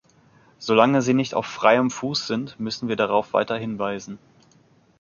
Solange sie nicht auf freiem Fuß sind, müssen wir darauf weiter hinweisen.